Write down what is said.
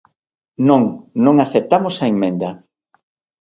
Non, non aceptamos a emenda.